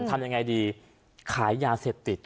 ทำยังไงดีขายยาเสพติด